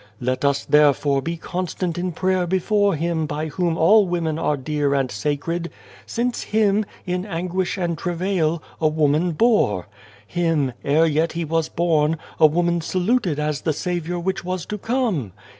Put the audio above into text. Let us therefore be constant in prayer before Him by whom all women are dear and sacred, since Him, in anguish and travail, a woman bore. Him, ere yet He was born, a woman saluted as the Saviour which was to come.